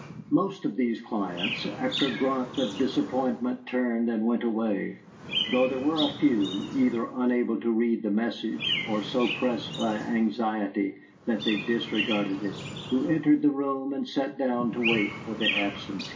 Most of these clients, after a grunt of disappointment, turned and went away; though there were a few, either unable to read the message or so pressed by anxiety that they disregarded it, who entered the room and sat down to wait for the absentee.